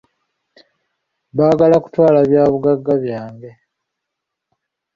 Baagala kutwala bya bugagga byange.